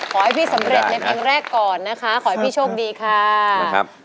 ขอให้พี่สำเร็จในเพลงแรกก่อนนะคะขอให้พี่โชคดีค่ะครับ